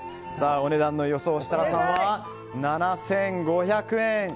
お値段の予想、設楽さんは７５００円。